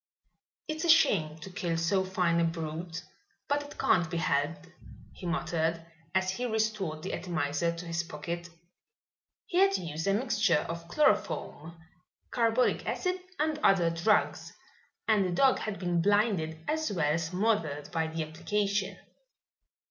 "It's a shame to kill so fine a brute, but it can't be helped," he muttered as he restored the atomizer to his pocket. He had used a mixture of chloroform, carbolic acid and other drugs, and the dog had been blinded as well as smothered by the application.